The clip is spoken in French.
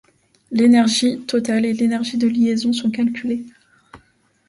L'énergie totale et l'énergie de liaison sont calculées.